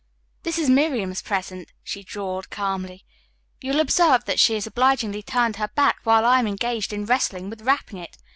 "This is Miriam's present," she drawled calmly. "You will observe that she has obligingly turned her back while I am engaged in wrestling with wrapping it.